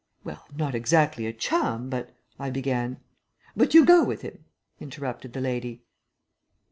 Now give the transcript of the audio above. "Well, not exactly a chum, but " I began. "But you go with him?" interrupted the lady.